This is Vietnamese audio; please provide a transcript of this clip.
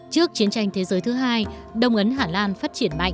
trước chiến tranh thế giới thứ hai đông ấn hà lan phát triển mạnh